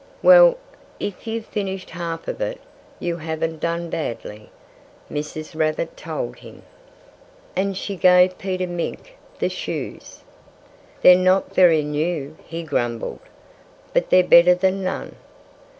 "Well, if you've finished half of it you haven't done badly," Mrs. Rabbit told him. And she gave Peter Mink the shoes. "They're not very new," he grumbled. "But they're better than none."